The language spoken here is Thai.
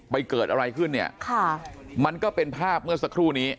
ไปเกิดอะไรขึ้นเนี่ยค่ะมันก็เป็นภาพเมื่อสักครู่นี้